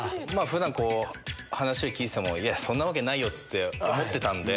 普段話を聞いててもそんなわけないって思ってたんで。